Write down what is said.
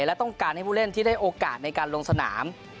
และต้องการให้ผู้เล่นที่ได้โอกาสในการลงสนาม